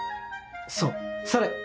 そうそれ。